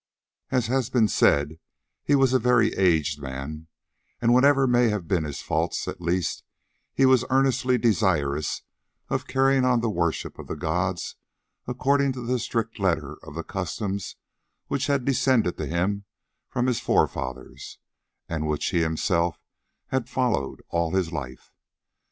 As has been said, he was a very aged man, and whatever may have been his faults, at least he was earnestly desirous of carrying on the worship of the gods according to the strict letter of the customs which had descended to him from his forefathers, and which he himself had followed all his life.